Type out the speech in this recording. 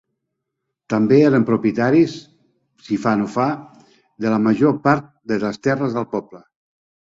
També eren propietaris, si fa no fa, de la major part de les terres del poble.